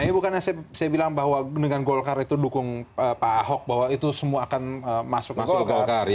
ini bukannya saya bilang bahwa dengan golkar itu dukung pak ahok bahwa itu semua akan masuk ke golkar